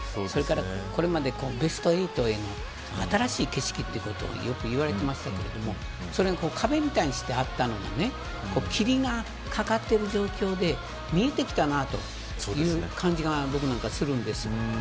これまで、ベスト８への新しい景色とよく言われてましたけど壁みたいにしてあったのが霧がかかっている状況で見えてきたなとそういう感じがするんです。